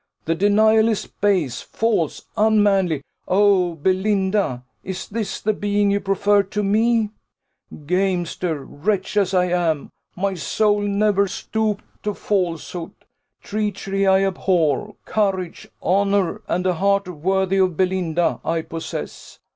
The denial is base, false, unmanly. Oh, Belinda, is this the being you prefer to me? Gamester wretch, as I am, my soul never stooped to falsehood! Treachery I abhor; courage, honour, and a heart worthy of Belinda, I possess.